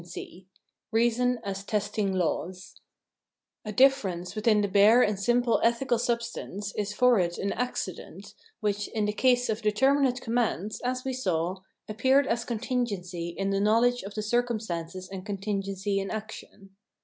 — 2 E Keason as Testing Laws A difference within the bare and simple ethical sub stance is for it an accident, which, in the case of determinate commands, as we saw, appeared as contingency in the knowledge of the circumstances and contingency in action.